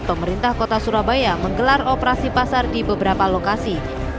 pemerintah kota surabaya menggelar operasi pasar di beberapa lokasi